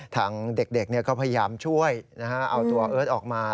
ทางเด็กก็พยายามช่วยเอาตัวเอิร์ทออกมา